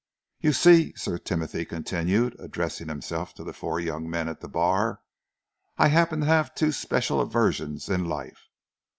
"You see," Sir Timothy continued, addressing himself to the four young men at the bar, "I happen to have two special aversions in life.